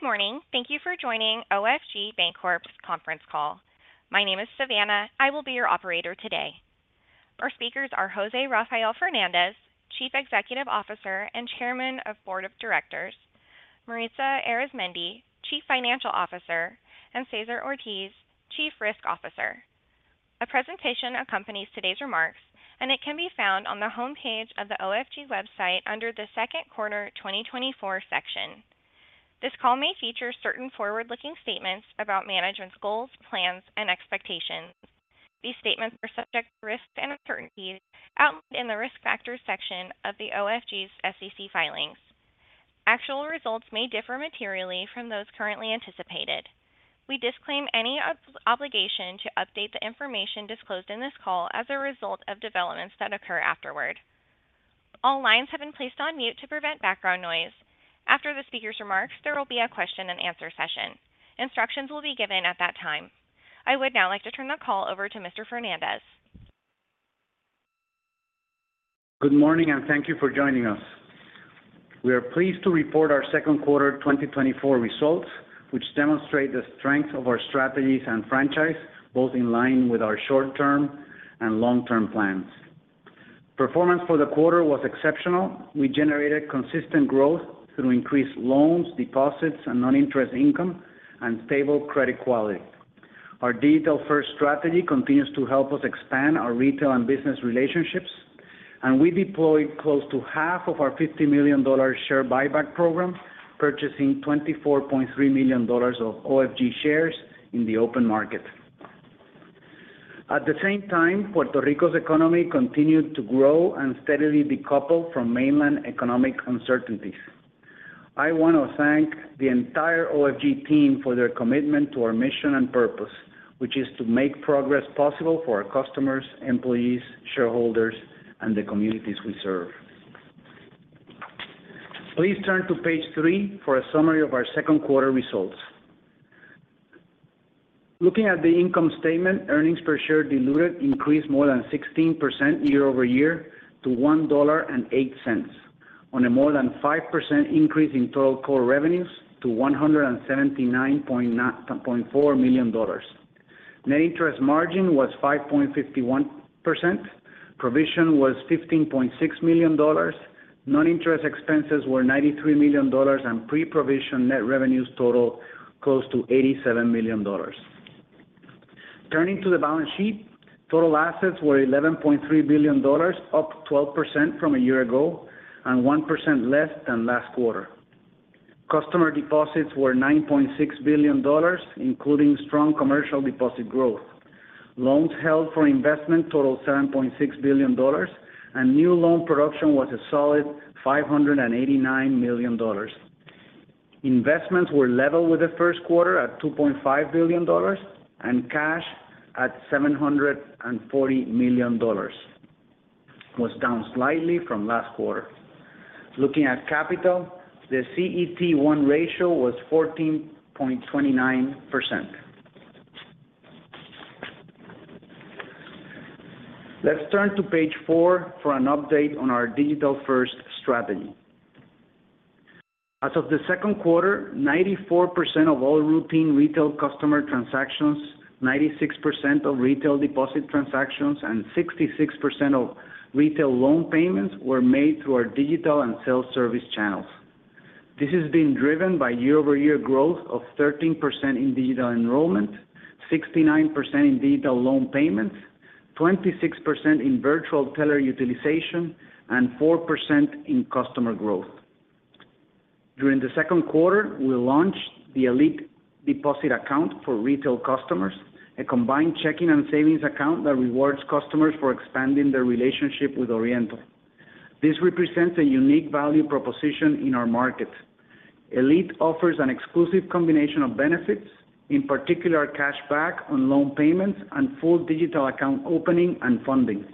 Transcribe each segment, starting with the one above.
Good morning. Thank you for joining OFG Bancorp's Conference Call. My name is Savannah. I will be your operator today. Our speakers are José Rafael Fernández, Chief Executive Officer and Chairman of Board of Directors, Maritza Arizmendi, Chief Financial Officer, and César Ortiz-Marcano, Chief Risk Officer. A presentation accompanies today's remarks, and it can be found on the homepage of the OFG website under the second quarter 2024 section. This call may feature certain forward-looking statements about management's goals, plans, and expectations. These statements are subject to risks and uncertainties outlined in the Risk Factors section of the OFG's SEC filings. Actual results may differ materially from those currently anticipated. We disclaim any obligation to update the information disclosed in this call as a result of developments that occur afterward. All lines have been placed on mute to prevent background noise. After the speaker's remarks, there will be a question-and-answer session. Instructions will be given at that time. I would now like to turn the call over to Mr. Fernández. Good morning, and thank you for joining us. We are pleased to report our second quarter 2024 results, which demonstrate the strength of our strategies and franchise, both in line with our short-term and long-term plans. Performance for the quarter was exceptional. We generated consistent growth through increased loans, deposits, and non-interest income and stable credit quality. Our digital-first strategy continues to help us expand our retail and business relationships, and we deployed close to half of our $50 million share buyback program, purchasing $24.3 million of OFG shares in the open market. At the same time, Puerto Rico's economy continued to grow and steadily decouple from mainland economic uncertainties. I want to thank the entire OFG team for their commitment to our mission and purpose, which is to make progress possible for our customers, employees, shareholders, and the communities we serve. Please turn to page three for a summary of our second quarter results. Looking at the income statement, earnings per share diluted increased more than 16% year-over-year to $1.08 on a more than 5% increase in total core revenues to $179.4 million. Net interest margin was 5.51%, provision was $15.6 million, non-interest expenses were $93 million, and pre-provision net revenues total close to $87 million. Turning to the balance sheet, total assets were $11.3 billion, up 12% from a year ago, and 1% less than last quarter. Customer deposits were $9.6 billion, including strong commercial deposit growth. Loans held for investment totaled $7.6 billion, and new loan production was a solid $589 million. Investments were level with the first quarter at $2.5 billion, and cash at $740 million, was down slightly from last quarter. Looking at capital, the CET-1 ratio was 14.29%. Let's turn to page four for an update on our digital-first strategy. As of the second quarter, 94% of all routine retail customer transactions, 96% of retail deposit transactions, and 66% of retail loan payments were made through our digital and self-service channels. This has been driven by year-over-year growth of 13% in digital enrollment, 69% in digital loan payments, 26% in virtual teller utilization, and 4% in customer growth. During the second quarter, we launched the Elite Account for retail customers, a combined checking and savings account that rewards customers for expanding their relationship with Oriental. This represents a unique value proposition in our market. Elite offers an exclusive combination of benefits, in particular, cash back on loan payments, and full digital account opening and funding.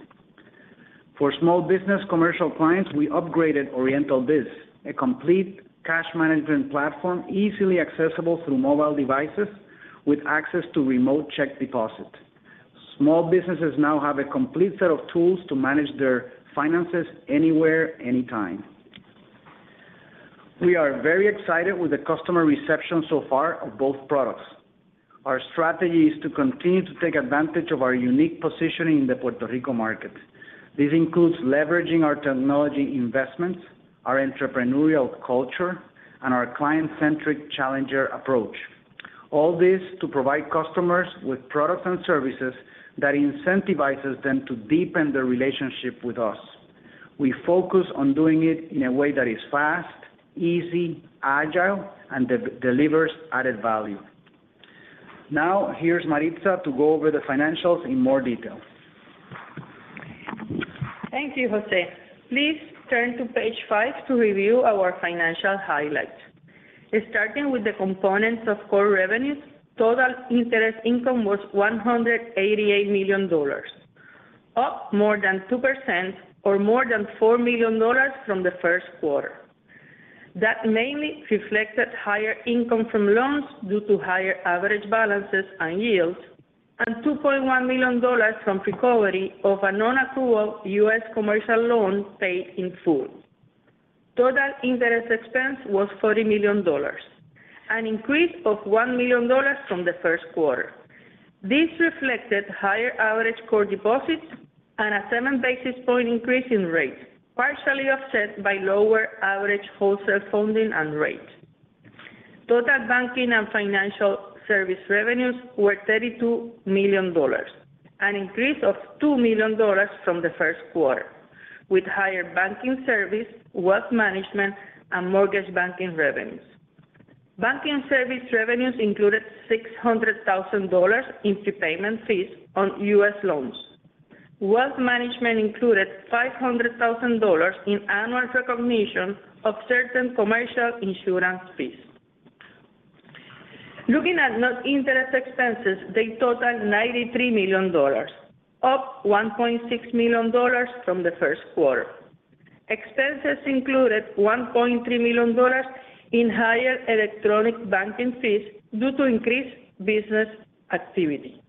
For small business commercial clients, we upgraded Oriental Biz, a complete cash management platform, easily accessible through mobile devices with access to remote check deposit. Small businesses now have a complete set of tools to manage their finances anywhere, anytime. We are very excited with the customer reception so far of both products. Our strategy is to continue to take advantage of our unique positioning in the Puerto Rico market. This includes leveraging our technology investments, our entrepreneurial culture, and our client-centric challenger approach. All this to provide customers with products and services that incentivizes them to deepen their relationship with us. We focus on doing it in a way that is fast, easy, agile, and delivers added value. Now, here's Maritza to go over the financials in more detail. Thank you, José. Please turn to page 5 to review our financial highlights. Starting with the components of core revenues, total interest income was $188 million, up more than 2% or more than $4 million from the first quarter. That mainly reflected higher income from loans due to higher average balances and yields and $2.1 million from recovery of a non-accrual U.S. commercial loan paid in full. Total interest expense was $40 million, an increase of $1 million from the first quarter. This reflected higher average core deposits and a seven basis point increase in rates, partially offset by lower average wholesale funding and rate. Total banking and financial service revenues were $32 million, an increase of $2 million from the first quarter, with higher banking service, wealth management, and mortgage banking revenues. Banking service revenues included $600,000 in prepayment fees on U.S. loans. Wealth management included $500,000 in annual recognition of certain commercial insurance fees. Looking at non-interest expenses, they totaled $93 million, up $1.6 million from the first quarter. Expenses included $1.3 million in higher electronic banking fees due to increased business activity.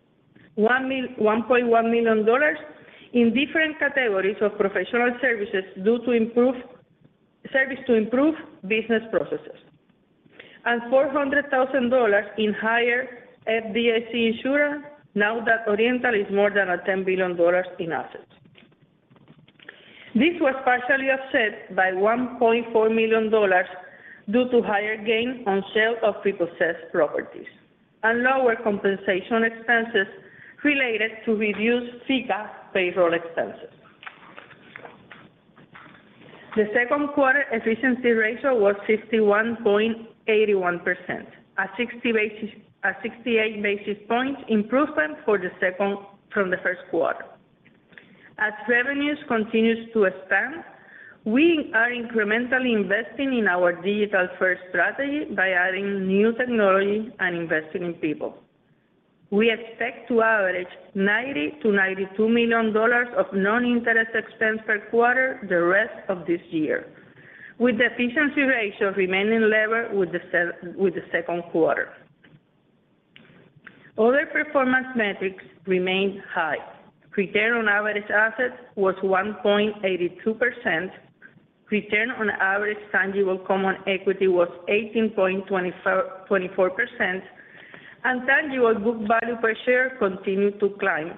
$1.1 million in different categories of professional services due to improved service to improve business processes, and $400,000 in higher FDIC insurance, now that Oriental is more than $10 billion in assets. This was partially offset by $1.4 million due to higher gain on sale of repossessed properties and lower compensation expenses related to reduced FICA payroll expenses. The second quarter efficiency ratio was 61.81%, a 68 basis points improvement for the second from the first quarter. As revenues continues to expand, we are incrementally investing in our Digital-first strategy by adding new technology and investing in people. We expect to average $90-$92 million of non-interest expense per quarter the rest of this year, with the efficiency ratio remaining level with the second quarter. Other performance metrics remained high. Return on average assets was 1.82%. Return on average tangible common equity was 18.24%, and tangible book value per share continued to climb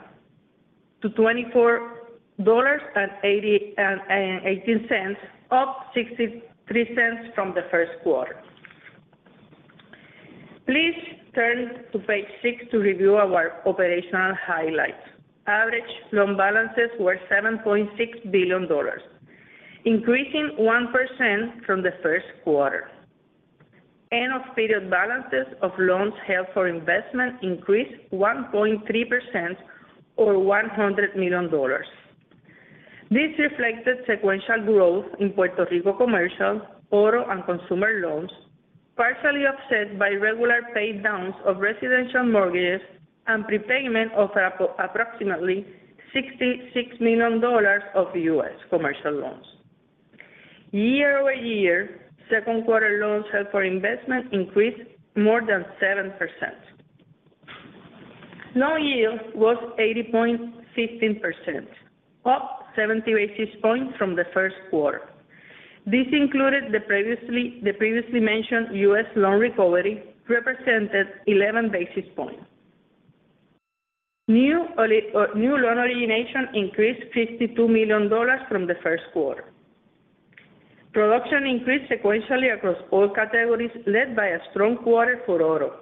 to $24.81, up 63 cents from the first quarter. Please turn to page six to review our operational highlights. Average loan balances were $7.6 billion, increasing 1% from the first quarter. End of period balances of loans held for investment increased 1.3% or $100 million. This reflected sequential growth in Puerto Rico commercial, auto, and consumer loans, partially offset by regular pay downs of residential mortgages, and prepayment of approximately $66 million of US commercial loans. Year-over-year, second quarter loans held for investment increased more than 7%. Loan yield was 80.15%, up 70 basis points from the first quarter. This included the previously mentioned US loan recovery, represented 11 basis points. New loan origination increased $52 million from the first quarter. Production increased sequentially across all categories, led by a strong quarter for auto.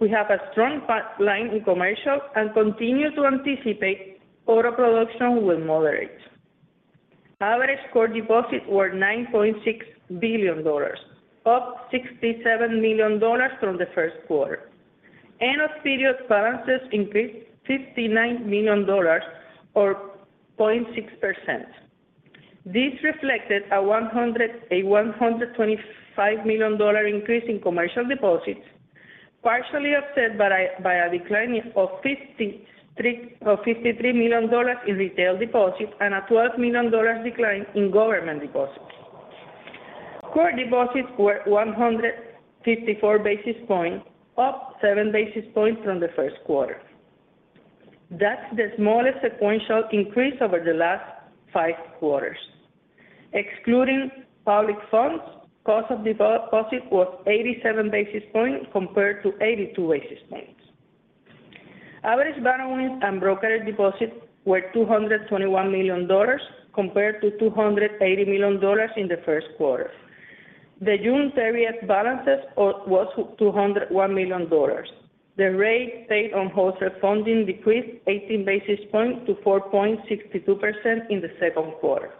We have a strong pipeline in commercial and continue to anticipate auto production will moderate. Average core deposits were $9.6 billion, up $67 million from the first quarter. End of period balances increased $59 million or 0.6%. This reflected a $125 million increase in commercial deposits, partially offset by a decline of $53 million in retail deposits and a $12 million decline in government deposits. Core deposits were 154 basis points, up 7 basis points from the first quarter. That's the smallest sequential increase over the last five quarters. Excluding public funds, cost of deposit was 87 basis points, compared to 82 basis points. Average borrowing and brokered deposits were $221 million, compared to $280 million in the first quarter. The June 30 balances was $201 million. The rate paid on wholesale funding decreased 18 basis points to 4.62% in the second quarter.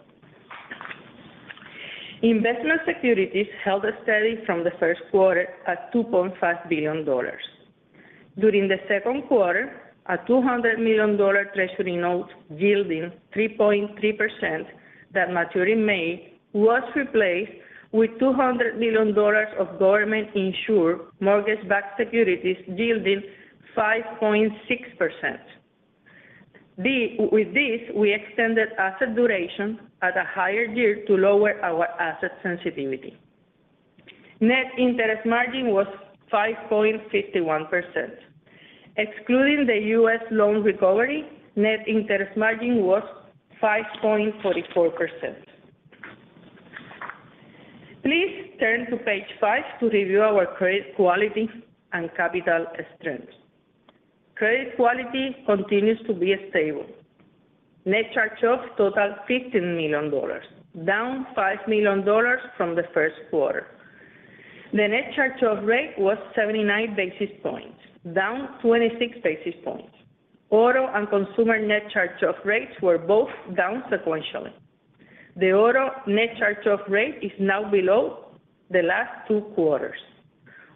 Investment securities held steady from the first quarter at $2.5 billion. During the second quarter, a $200 million Treasury note yielding 3.3% that matured in May was replaced with $200 million of government-insured mortgage-backed securities, yielding 5.6%. With this, we extended asset duration at a higher yield to lower our asset sensitivity.... Net interest margin was 5.51%. Excluding the US loan recovery, net interest margin was 5.44%. Please turn to page 5 to review our credit quality and capital strength. Credit quality continues to be stable. Net charge-offs totaled $15 million, down $5 million from the first quarter. The net charge-off rate was 79 basis points, down 26 basis points. Auto and consumer net charge-off rates were both down sequentially. The auto net charge-off rate is now below the last 2 quarters.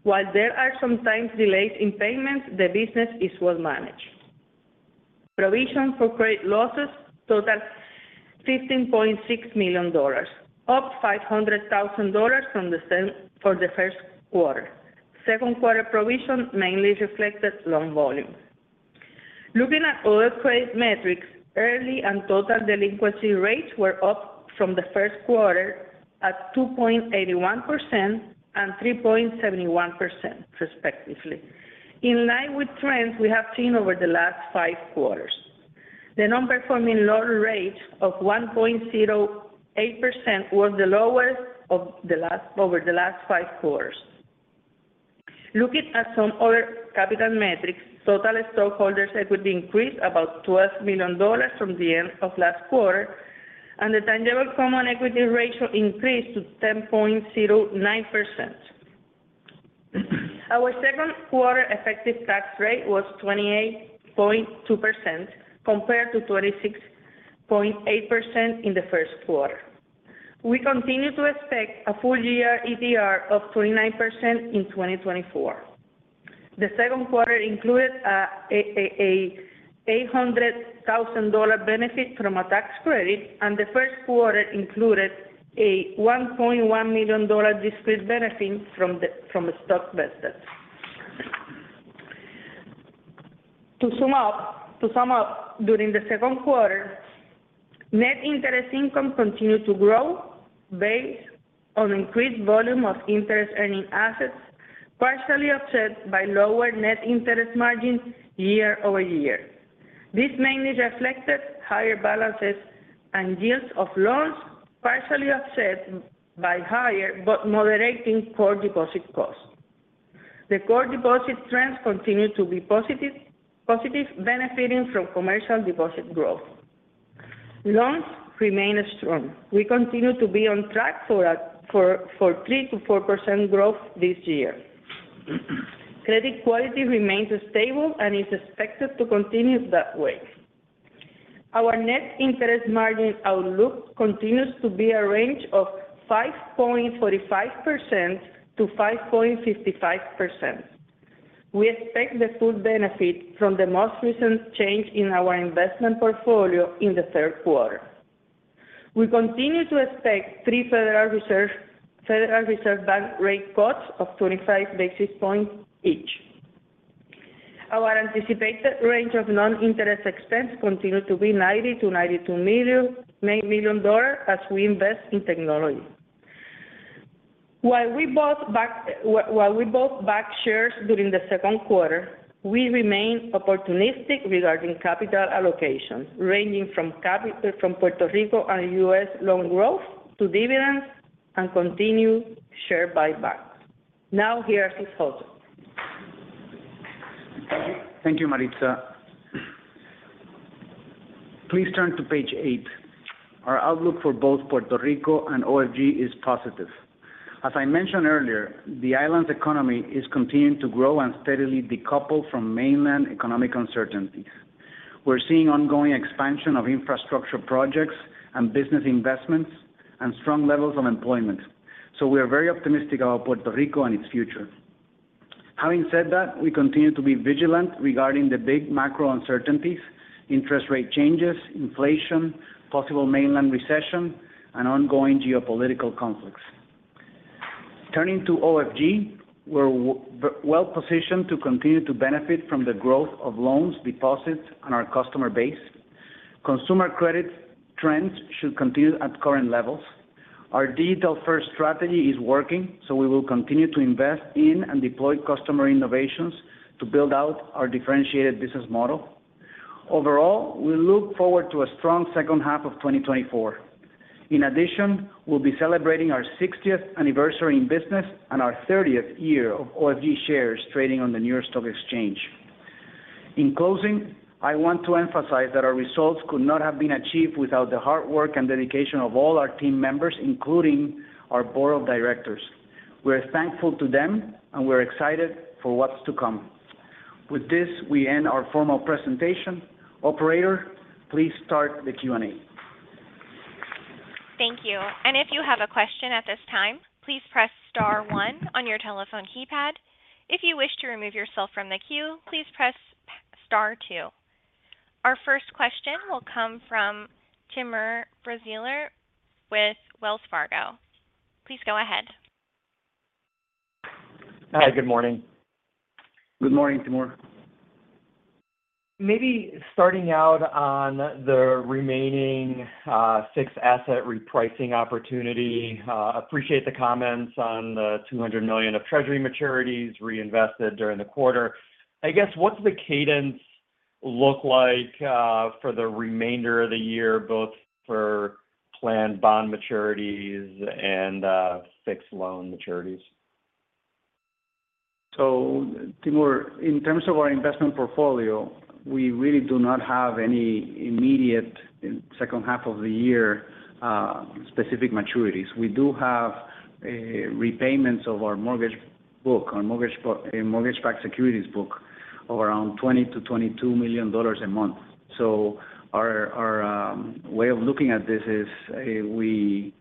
While there are sometimes delays in payments, the business is well managed. Provision for credit losses totaled $15.6 million, up $500,000 from the first quarter. Second quarter provision mainly reflected loan volumes. Looking at other credit metrics, early and total delinquency rates were up from the first quarter at 2.81% and 3.71%, respectively, in line with trends we have seen over the last 5 quarters. The non-performing loan rate of 1.08% was the lowest over the last five quarters. Looking at some other capital metrics, total stockholders equity increased about $12 million from the end of last quarter, and the tangible common equity ratio increased to 10.09%. Our second quarter effective tax rate was 28.2%, compared to 26.8% in the first quarter. We continue to expect a full-year ETR of 29% in 2024. The second quarter included a $800,000 benefit from a tax credit, and the first quarter included a $1.1 million discrete benefit from stock vested. To sum up, during the second quarter, net interest income continued to grow based on increased volume of interest-earning assets, partially offset by lower net interest margins year-over-year. This mainly reflected higher balances and yields of loans, partially offset by higher but moderating core deposit costs. The core deposit trends continue to be positive, benefiting from commercial deposit growth. Loans remain strong. We continue to be on track for 3%-4% growth this year. Credit quality remains stable and is expected to continue that way. Our net interest margin outlook continues to be a range of 5.45%-5.55%. We expect the full benefit from the most recent change in our investment portfolio in the third quarter. We continue to expect three Federal Reserve Bank rate cuts of 25 basis points each. Our anticipated range of non-interest expense continued to be $90 million-$92 million as we invest in technology. While we bought back shares during the second quarter, we remain opportunistic regarding capital allocations, ranging from capital from Puerto Rico and U.S. loan growth to dividends and continued share buybacks. Now, here is José. Thank you, Maritza. Please turn to page 8. Our outlook for both Puerto Rico and OFG is positive. As I mentioned earlier, the island's economy is continuing to grow and steadily decouple from mainland economic uncertainties. We're seeing ongoing expansion of infrastructure projects and business investments and strong levels of employment, so we are very optimistic about Puerto Rico and its future. Having said that, we continue to be vigilant regarding the big macro uncertainties, interest rate changes, inflation, possible mainland recession, and ongoing geopolitical conflicts. Turning to OFG, we're well-positioned to continue to benefit from the growth of loans, deposits, and our customer base. Consumer credit trends should continue at current levels. Our digital-first strategy is working, so we will continue to invest in and deploy customer innovations to build out our differentiated business model. Overall, we look forward to a strong second half of 2024. In addition, we'll be celebrating our 60th anniversary in business and our 30th year of OFG shares trading on the New York Stock Exchange. In closing, I want to emphasize that our results could not have been achieved without the hard work and dedication of all our team members, including our board of directors. We're thankful to them, and we're excited for what's to come. With this, we end our formal presentation. Operator, please start the Q&A. Thank you. And if you have a question at this time, please press star one on your telephone keypad. If you wish to remove yourself from the queue, please press star two. Our first question will come from Timur Braziler with Wells Fargo. Please go ahead. Hi, good morning. Good morning, Timur.... maybe starting out on the remaining, fixed asset repricing opportunity. Appreciate the comments on the $200 million of Treasury maturities reinvested during the quarter. I guess, what's the cadence look like, for the remainder of the year, both for planned bond maturities and, fixed loan maturities? So Timur, in terms of our investment portfolio, we really do not have any immediate, in second half of the year, specific maturities. We do have repayments of our mortgage book, mortgage-backed securities book of around $20 million-$22 million a month. So our way of looking at this is, we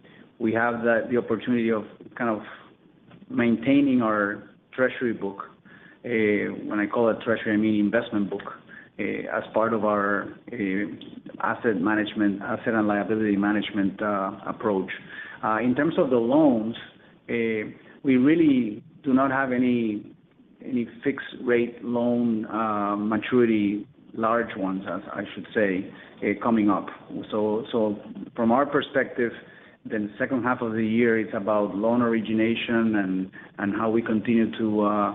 have the opportunity of kind of maintaining our Treasury book. When I call it Treasury, I mean, investment book, as part of our, asset and liability management, approach. In terms of the loans, we really do not have any fixed rate loan, maturity, large ones, as I should say, coming up. So from our perspective, the second half of the year is about loan origination and how we continue to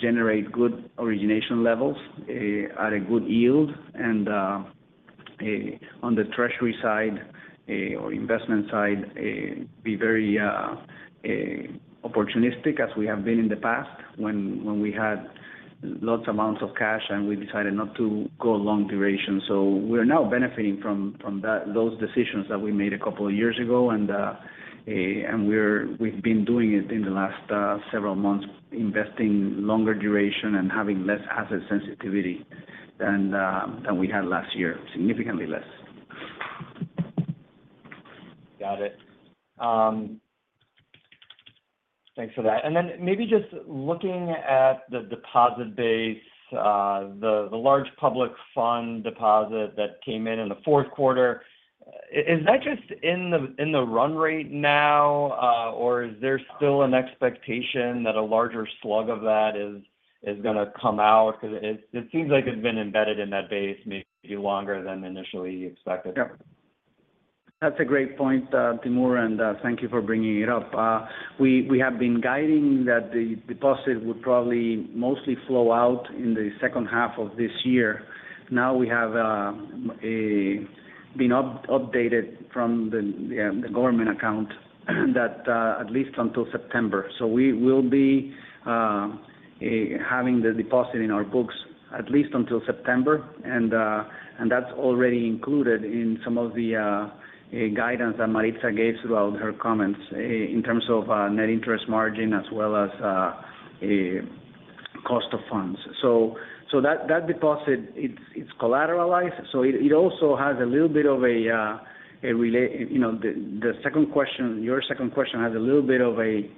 generate good origination levels at a good yield. And on the Treasury side, or investment side, be very opportunistic, as we have been in the past when we had large amounts of cash, and we decided not to go long duration. So we are now benefiting from those decisions that we made a couple of years ago, and we've been doing it in the last several months, investing longer duration and having less asset sensitivity than we had last year. Significantly less. Got it. Thanks for that. And then maybe just looking at the deposit base, the large public fund deposit that came in in the fourth quarter, is that just in the run rate now, or is there still an expectation that a larger slug of that is gonna come out? Because it seems like it's been embedded in that base maybe longer than initially you expected. Yeah. That's a great point, Timur, and thank you for bringing it up. We have been guiding that the deposit would probably mostly flow out in the second half of this year. Now, we have been updated from the government account that at least until September. So we will be having the deposit in our books at least until September, and that's already included in some of the guidance that Maritza gave throughout her comments in terms of net interest margin, as well as cost of funds. So that deposit, it's collateralized, so it also has a little bit of a relationship. You know, the second question, your second question has a little bit of a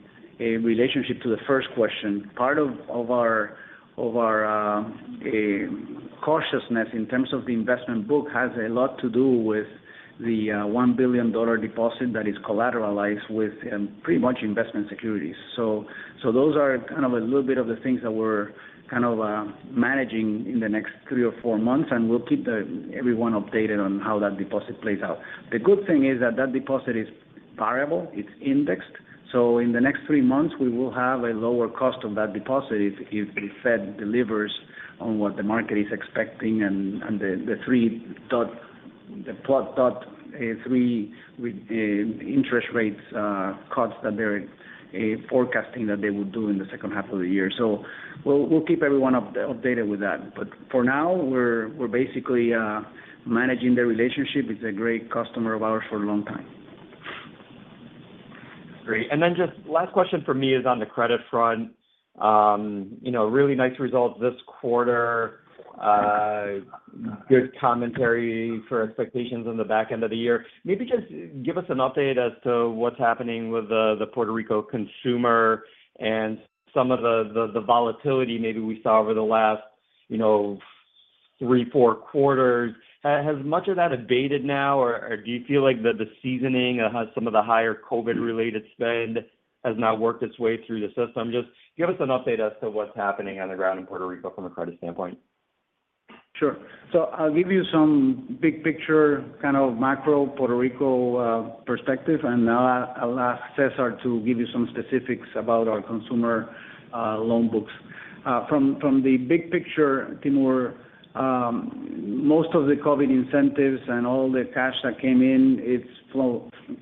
relationship to the first question. Part of our cautiousness in terms of the investment book has a lot to do with the $1 billion deposit that is collateralized with pretty much investment securities. So those are kind of a little bit of the things that we're kind of managing in the next three or four months, and we'll keep everyone updated on how that deposit plays out. The good thing is that that deposit is variable, it's indexed, so in the next three months, we will have a lower cost on that deposit if the Fed delivers on what the market is expecting and the three-dot plot with interest rate cuts that they're forecasting that they will do in the second half of the year. So we'll keep everyone updated with that. But for now, we're basically managing the relationship. It's a great customer of ours for a long time. Great. Then just last question for me is on the credit front. You know, really nice results this quarter. Good commentary for expectations on the back end of the year. Maybe just give us an update as to what's happening with the Puerto Rico consumer and some of the volatility maybe we saw over the last, you know, three, four quarters. Has much of that abated now, or do you feel like the seasoning of some of the higher COVID-related spend has now worked its way through the system? Just give us an update as to what's happening on the ground in Puerto Rico from a credit standpoint. Sure. So I'll give you some big picture, kind of macro Puerto Rico perspective, and I'll ask César to give you some specifics about our consumer loan books. From the big picture, Timur, most of the COVID incentives and all the cash that came in, it's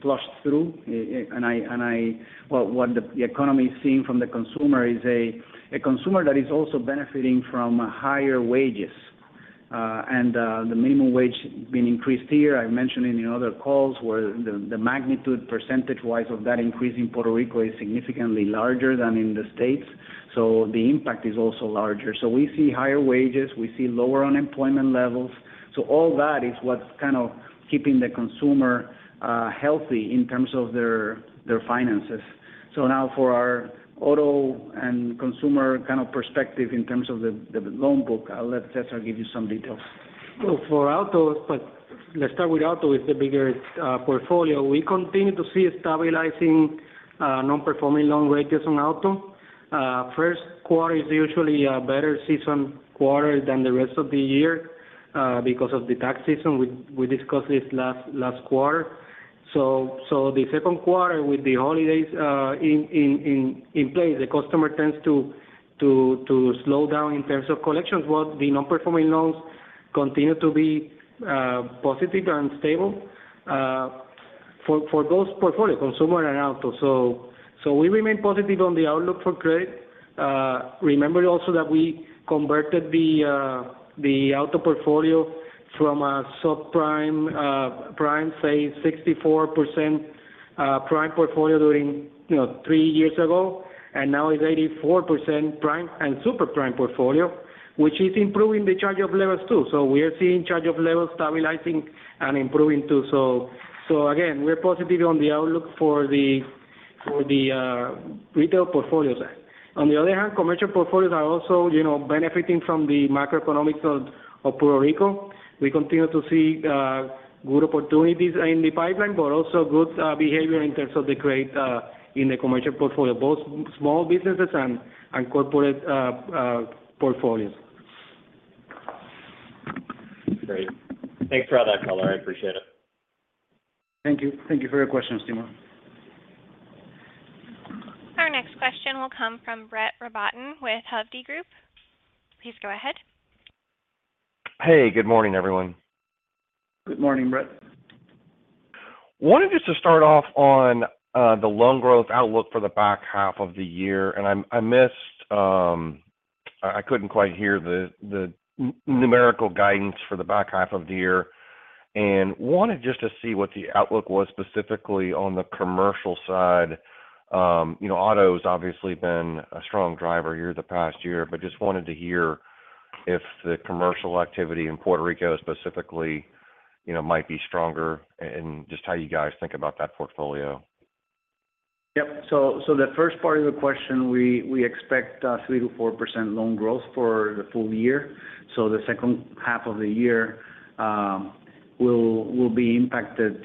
flushed through. And what the economy is seeing from the consumer is a consumer that is also benefiting from higher wages. And the minimum wage being increased here, I mentioned in the other calls, where the magnitude, percentage-wise, of that increase in Puerto Rico is significantly larger than in the States. So the impact is also larger. So we see higher wages, we see lower unemployment levels. So all that is what's kind of keeping the consumer healthy in terms of their finances. So now for our auto and consumer kind of perspective in terms of the loan book, I'll let César give you some details. Well, for autos, but-... Let's start with auto, it's the bigger portfolio. We continue to see a stabilizing non-performing loan ratios on auto. First quarter is usually a better season quarter than the rest of the year because of the tax season. We discussed this last quarter. So the second quarter, with the holidays in place, the customer tends to slow down in terms of collections, but the non-performing loans continue to be positive and stable for those portfolios, consumer and auto. So we remain positive on the outlook for credit. Remember also that we converted the auto portfolio from a subprime prime, say, 64% prime portfolio during, you know, 3 years ago, and now it's 84% prime and super prime portfolio, which is improving the charge-off levels, too. So we are seeing charge-off levels stabilizing and improving, too. So again, we're positive on the outlook for the retail portfolios. On the other hand, commercial portfolios are also, you know, benefiting from the macroeconomics of Puerto Rico. We continue to see good opportunities in the pipeline, but also good behavior in terms of the credit in the commercial portfolio, both small businesses and corporate portfolios. Great. Thanks for all that color. I appreciate it. Thank you. Thank you for your question, Timur. Our next question will come from Brett Rabatin, with Hovde Group. Please go ahead. Hey, good morning, everyone. Good morning, Brett. Wanted just to start off on the loan growth outlook for the back half of the year, and I missed. I couldn't quite hear the numerical guidance for the back half of the year. Wanted just to see what the outlook was specifically on the commercial side. You know, auto's obviously been a strong driver here the past year, but just wanted to hear if the commercial activity in Puerto Rico, specifically, you know, might be stronger, and just how you guys think about that portfolio. Yep. So the first part of the question, we expect 3%-4% loan growth for the full year. So the second half of the year will be impacted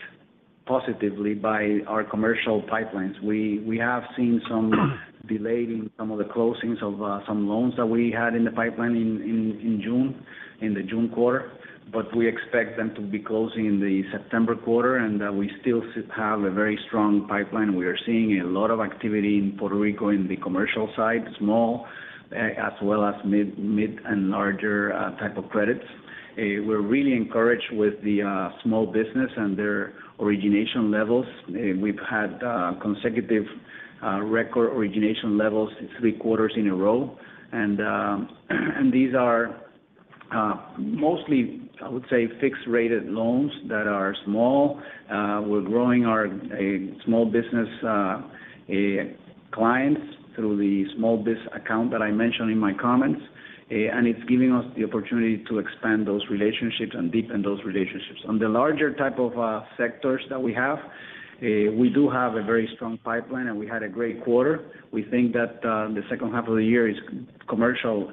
positively by our commercial pipelines. We have seen some delay in some of the closings of some loans that we had in the pipeline in June, in the June quarter, but we expect them to be closing in the September quarter, and we still have a very strong pipeline. We are seeing a lot of activity in Puerto Rico in the commercial side, small as well as mid and larger type of credits. We're really encouraged with the small business and their origination levels. We've had consecutive record origination levels three quarters in a row. And these are mostly, I would say, fixed-rate loans that are small. We're growing our small business clients through the small biz account that I mentioned in my comments, and it's giving us the opportunity to expand those relationships and deepen those relationships. On the larger type of sectors that we have, we do have a very strong pipeline, and we had a great quarter. We think that the second half of the year, commercial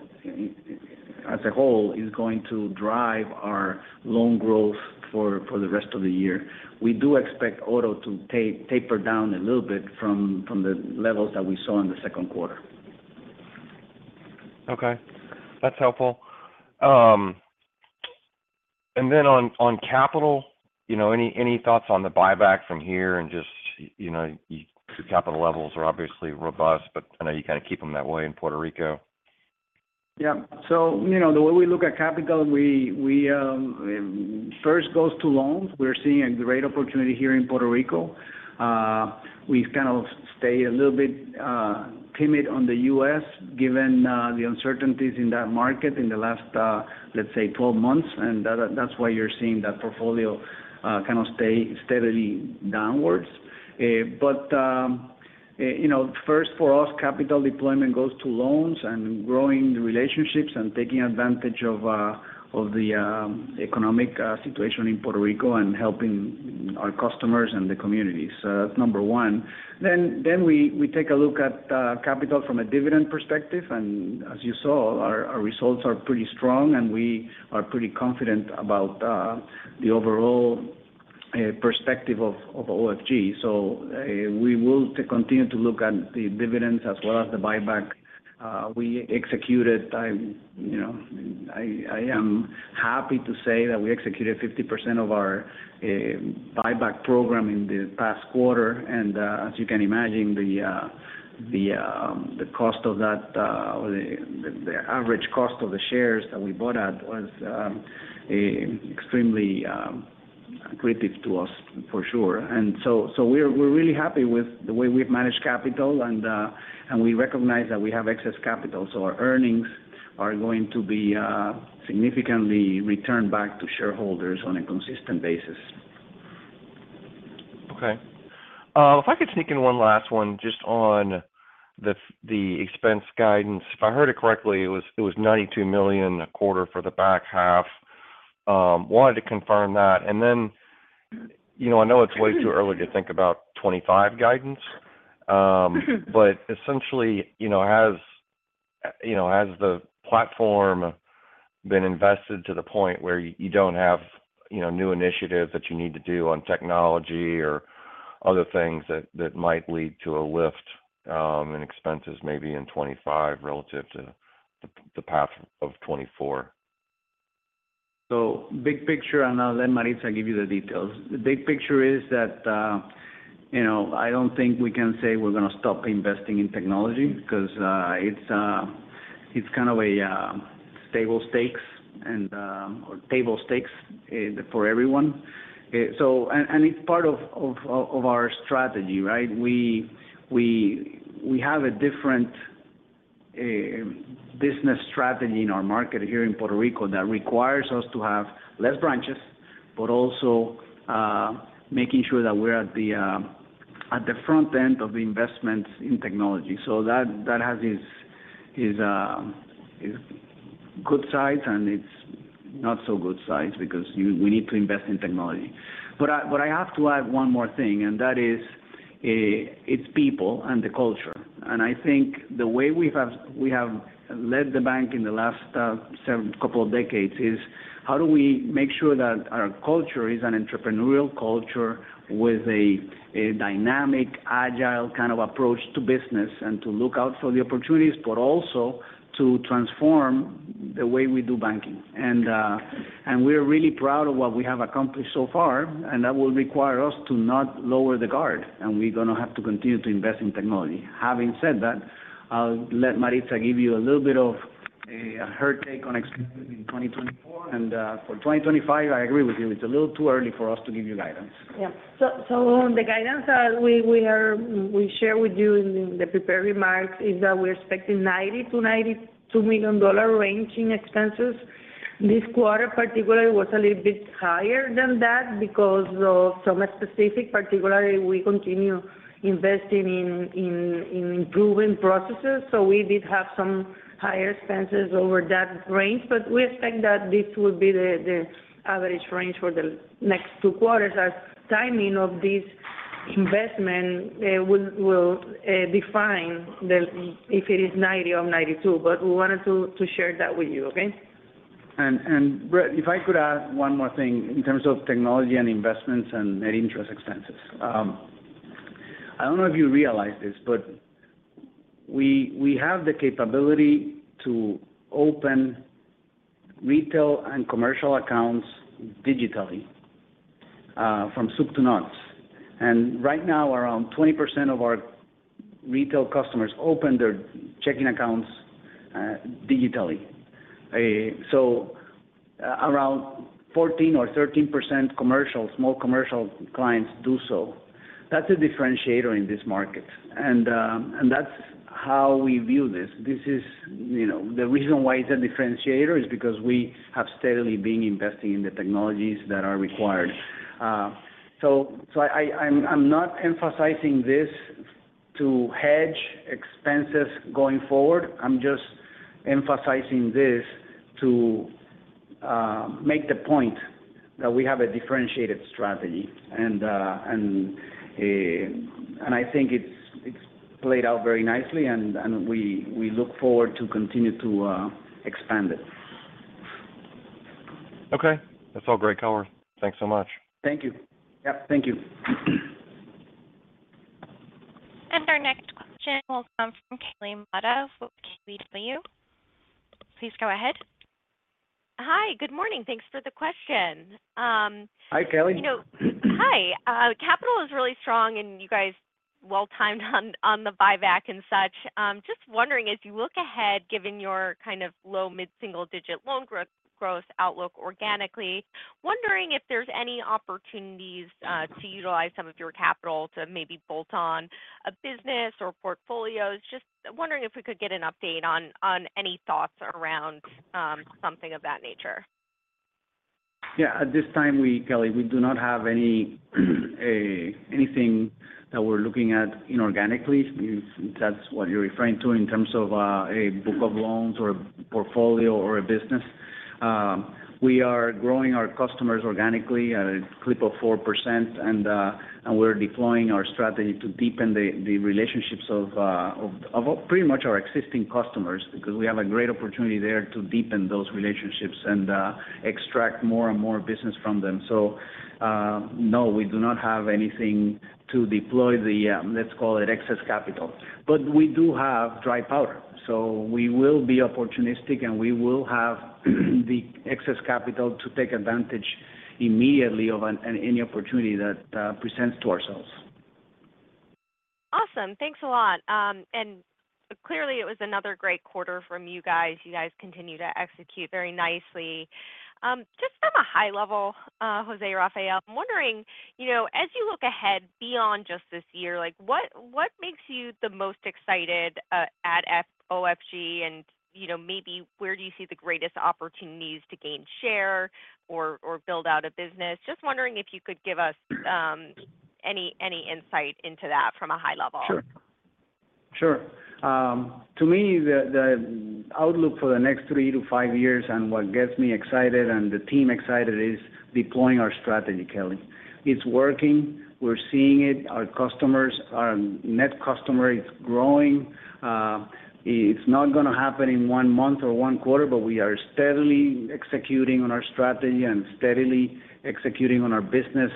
as a whole, is going to drive our loan growth for the rest of the year. We do expect auto to taper down a little bit from the levels that we saw in the second quarter. Okay, that's helpful. And then on capital, you know, any thoughts on the buyback from here and just, you know, capital levels are obviously robust, but I know you kind of keep them that way in Puerto Rico. Yeah. So, you know, the way we look at capital, we first goes to loans. We're seeing a great opportunity here in Puerto Rico. We've kind of stayed a little bit timid on the U.S., given the uncertainties in that market in the last, let's say, 12months, and that's why you're seeing that portfolio kind of stay steadily downwards. But, you know, first for us, capital deployment goes to loans and growing the relationships and taking advantage of the economic situation in Puerto Rico and helping our customers and the communities. So that's number one. Then we take a look at capital from a dividend perspective, and as you saw, our results are pretty strong, and we are pretty confident about the overall perspective of OFG. So, we will continue to look at the dividends as well as the buyback. We executed, I, you know, I, I am happy to say that we executed 50% of our, buyback program in the past quarter, and, as you can imagine, the cost of that, or the average cost of the shares that we bought at was, extremely, accretive to us, for sure. And so, so we're, we're really happy with the way we've managed capital, and, and we recognize that we have excess capital, so our earnings are going to be, significantly returned back to shareholders on a consistent basis. Okay. If I could sneak in one last one just on the expense guidance. If I heard it correctly, it was $92 million a quarter for the back-half. Wanted to confirm that. Then, you know, I know it's way too early to think about 2025 guidance, but essentially, you know, you know, has the platform been invested to the point where you, you don't have, you know, new initiatives that you need to do on technology or other things that, that might lead to a lift in expenses maybe in 2025 relative to the path of 2024? So big picture, and I'll let Maritza give you the details. The big picture is that, you know, I don't think we can say we're gonna stop investing in technology, because, it's kind of a stable stakes and or table stakes for everyone. So and, and it's part of, of, of our strategy, right? We, we, we have a different business strategy in our market here in Puerto Rico that requires us to have less branches, but also making sure that we're at the front end of the investments in technology. So that, that has its, its good sides and its not so good sides because you- we need to invest in technology. But I, but I have to add one more thing, and that is, it's people and the culture. I think the way we have, we have led the bank in the last couple of decades is, how do we make sure that our culture is an entrepreneurial culture with a dynamic, agile kind of approach to business, and to look out for the opportunities, but also to transform the way we do banking? And we're really proud of what we have accomplished so far, and that will require us to not lower the guard, and we're gonna have to continue to invest in technology. Having said that, I'll let Maritza give you a little bit of her take on expenses in 2024, and for 2025, I agree with you, it's a little too early for us to give you guidance. Yeah. So on the guidance, we share with you in the prepared remarks is that we're expecting $90-$92 million range in expenses. This quarter particularly was a little bit higher than that because of some specific, particularly we continue investing in improving processes, so we did have some higher expenses over that range. But we expect that this will be the average range for the next two quarters, as timing of this investment will define the-- if it is $90 or $92. But we wanted to share that with you, okay? Brett, if I could add one more thing in terms of technology and investments and net interest expenses. I don't know if you realize this, but we have the capability to open retail and commercial accounts digitally, from soup to nuts. And right now, around 20% of our retail customers open their checking accounts digitally. So around 14% or 13% commercial, small commercial clients do so. That's a differentiator in this market, and that's how we view this. This is, you know, the reason why it's a differentiator is because we have steadily been investing in the technologies that are required. So, I'm not emphasizing this to hedge expenses going forward. I'm just emphasizing this to make the point that we have a differentiated strategy, and I think it's played out very nicely, and we look forward to continue to expand it. Okay. That's all great color. Thanks so much. Thank you. Yep, thank you. Our next question will come from Kelly Motta with KBW. Please go ahead. Hi, good morning. Thanks for the question. Hi, Kelly. Hi, capital is really strong, and you guys well-timed on the buyback and such. Just wondering, as you look ahead, given your kind of low, mid-single digit loan growth outlook organically, wondering if there's any opportunities to utilize some of your capital to maybe bolt on a business or portfolios? Just wondering if we could get an update on any thoughts around something of that nature. Yeah. At this time, we, Kelly, we do not have any anything that we're looking at inorganically, if that's what you're referring to, in terms of a book of loans or a portfolio or a business. We are growing our customers organically at a clip of 4%, and and we're deploying our strategy to deepen the relationships of pretty much our existing customers, because we have a great opportunity there to deepen those relationships and extract more and more business from them. So, no, we do not have anything to deploy the let's call it excess capital. But we do have dry powder, so we will be opportunistic, and we will have the excess capital to take advantage immediately of any opportunity that presents to ourselves. Awesome. Thanks a lot. And clearly, it was another great quarter from you guys. You guys continue to execute very nicely. Just from a high level, José Rafael, I'm wondering, you know, as you look ahead beyond just this year, like, what makes you the most excited at OFG? And, you know, maybe where do you see the greatest opportunities to gain share or build out a business? Just wondering if you could give us any insight into that from a high level?... Sure. To me, the outlook for the next three to five years and what gets me excited and the team excited is deploying our strategy, Kelly. It's working, we're seeing it. Our customers, our net customer is growing. It's not gonna happen in one month or one quarter, but we are steadily executing on our strategy and steadily executing on our business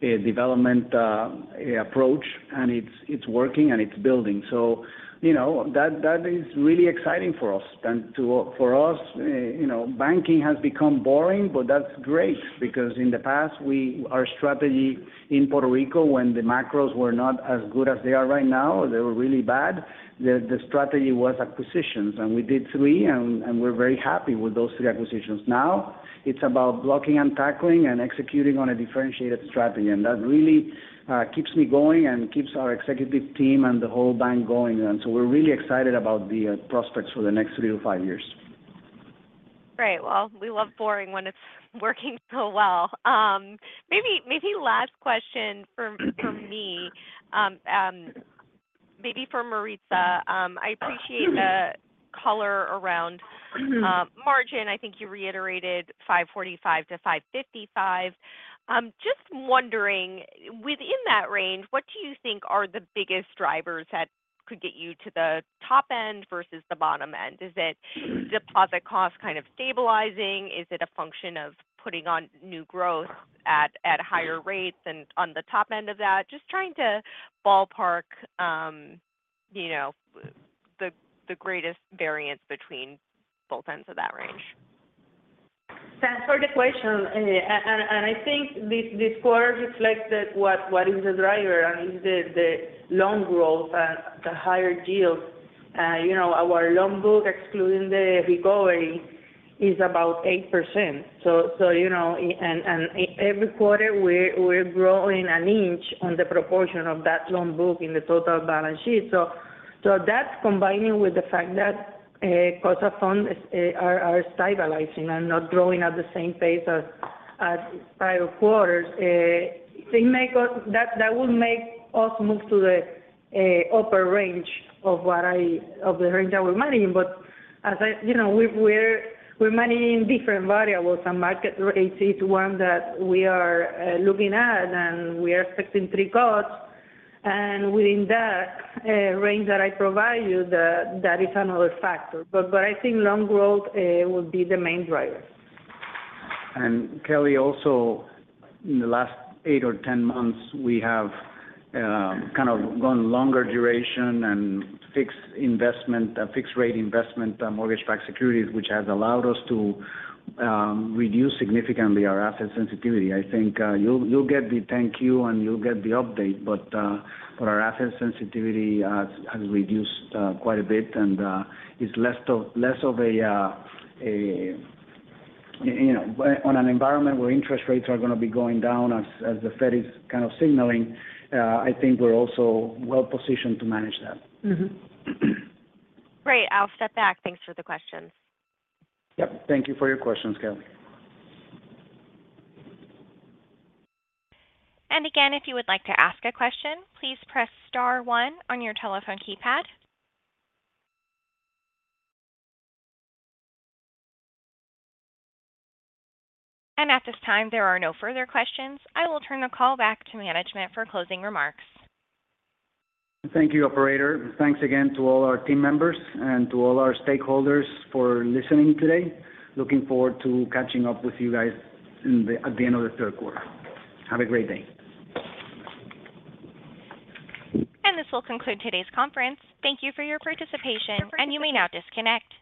development approach, and it's working and it's building. So, you know, that is really exciting for us. And for us, you know, banking has become boring, but that's great because in the past, we, our strategy in Puerto Rico, when the macros were not as good as they are right now, they were really bad, the strategy was acquisitions. And we did three, and we're very happy with those three acquisitions. Now, it's about blocking and tackling and executing on a differentiated strategy, and that really keeps me going and keeps our executive team and the whole bank going. And so we're really excited about the prospects for the next 3 to 5 years. Great. Well, we love boring when it's working so well. Maybe last question from me. Maybe for Maritza. I appreciate the color around margin. I think you reiterated 5.45%-5.55%. Just wondering, within that range, what do you think are the biggest drivers that could get you to the top end versus the bottom end? Is it deposit costs kind of stabilizing? Is it a function of putting on new growth at higher rates and on the top end of that? Just trying to ballpark, you know, the greatest variance between both ends of that range. Thanks for the question. And I think this quarter reflects what is the driver, and it's the loan growth and the higher yield. You know, our loan book, excluding the recovery, is about 8%. So, you know, and every quarter, we're growing an inch on the proportion of that loan book in the total balance sheet. So that's combining with the fact that cost of funds are stabilizing and not growing at the same pace as prior quarters. They make us - that will make us move to the upper range of what of the range that we're managing. But as I - you know, we're managing different variables and market rates is one that we are looking at, and we are expecting 3 cuts. Within that range that I provide you, that is another factor. But I think loan growth will be the main driver. Kelly, also, in the last 8 or 10 months, we have kind of gone longer duration and fixed investment, fixed rate investment, mortgage-backed securities, which has allowed us to reduce significantly our asset sensitivity. I think you'll get the thank you, and you'll get the update. But, but our asset sensitivity has reduced quite a bit and is less of, less of a... You know, on an environment where interest rates are gonna be going down as the Fed is kind of signaling, I think we're also well positioned to manage that. Mm-hmm. Great. I'll step back. Thanks for the questions. Yep. Thank you for your questions, Kelly. And again, if you would like to ask a question, please press star one on your telephone keypad. At this time, there are no further questions. I will turn the call back to management for closing remarks. Thank you, operator. Thanks again to all our team members and to all our stakeholders for listening today. Looking forward to catching up with you guys at the end of the third quarter. Have a great day. This will conclude today's conference. Thank you for your participation, and you may now disconnect.